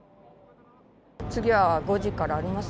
次は５時からあります